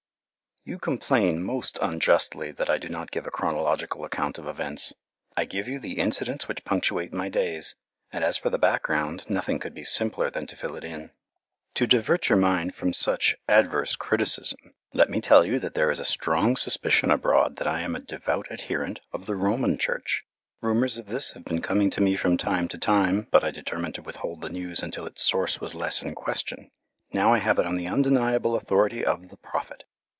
You complain most unjustly that I do not give a chronological account of events. I give you the incidents which punctuate my days, and as for the background, nothing could be simpler than to fill it in. To divert your mind from such adverse criticism, let me tell you that there is a strong suspicion abroad that I am a devout adherent of the Roman Church. Rumours of this have been coming to me from time to time, but I determined to withhold the news till its source was less in question. Now I have it on the undeniable authority of the Prophet.